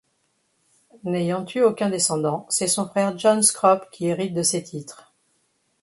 N'ayant eu aucun descendant, c'est son frère John Scrope qui hérite de ses titres.